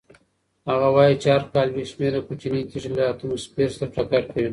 هغه وایي چې هر کال بې شمېره کوچنۍ تېږې له اتموسفیر سره ټکر کوي.